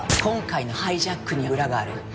今回のハイジャックには裏がある。